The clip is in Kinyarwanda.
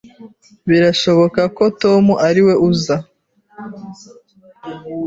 Birashoboka ko Tom ariwe uza